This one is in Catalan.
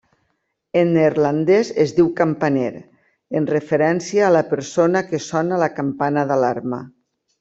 En neerlandès es diu campaner, en referència a la persona que sona la campana d'alarma.